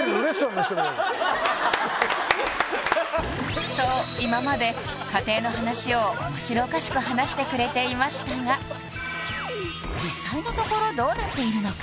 のようにと今まで家庭の話を面白おかしく話してくれていましたが実際のところどうなっているのか？